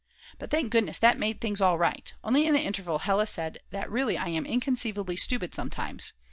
But thank goodness that made things all right. Only in the interval Hella said that really I am inconceivably stupid sometimes.